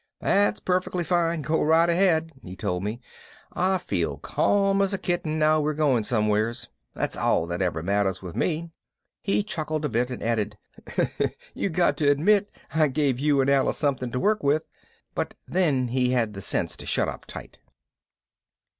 "That's perfectly fine, go right ahead," he told me. "I feel calm as a kitten now we're going somewheres. That's all that ever matters with me." He chuckled a bit and added, "You got to admit I gave you and Alice something to work with," but then he had the sense to shut up tight.